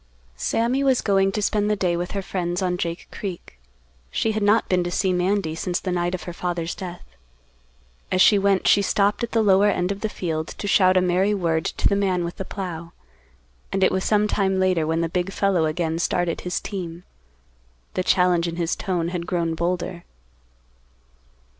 Sammy was going to spend the day with her friends on Jake Creek. She had not been to see Mandy since the night of her father's death. As she went, she stopped at the lower end of the field to shout a merry word to the man with the plow, and it was sometime later when the big fellow again started his team. The challenge in his tone had grown bolder.